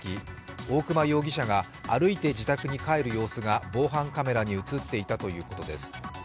大熊容疑者が、歩いて自宅に帰る様子が防犯カメラに映っていたということです。